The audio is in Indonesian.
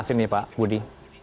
nah sini pak budi